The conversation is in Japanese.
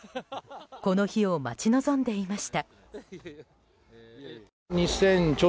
この日を待ち望んでいました。